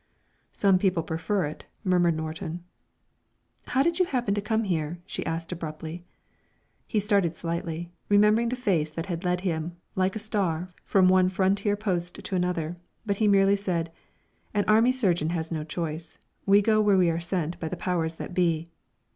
"Some people prefer it," murmured Norton. "How did you happen to come here?" she asked abruptly. He started slightly, remembering the face that led him, like a star, from one frontier post to another, but he merely said: "An army surgeon has no choice. We go where we are sent by the powers that be."